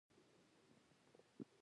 او د بل کرار زگيروي هم واورېدل.